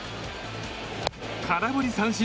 空振り三振！